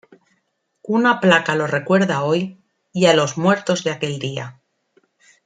Una placa los recuerda hoy, y a los muertos de aquel día.